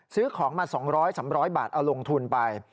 ซื้อของมา๒๐๐๓๐๐บาทเอาลงทุนไป